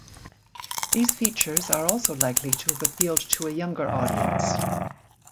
These features are also likely to have appealed to a younger audience.